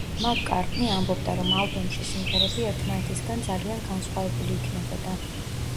მაკ-კარტნი ამბობდა, რომ ალბომში სიმღერები ერთმანეთისგან ძალიან განსხვავებული იქნებოდა.